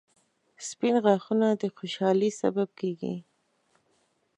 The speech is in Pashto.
• سپین غاښونه د خوشحالۍ سبب دي